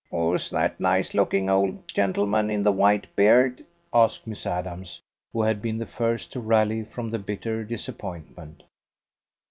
"Who's that nice looking old gentleman in the white beard?" asked Miss Adams, who had been the first to rally from the bitter disappointment.